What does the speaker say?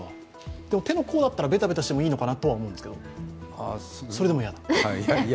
でも、手の甲だったらベタベタしてもいいかなと思うんですけど、それでも嫌？